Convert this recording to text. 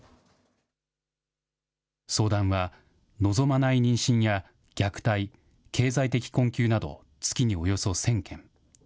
相談は、望まない妊娠や、虐待、経済的困窮など、月におよそ１０００件。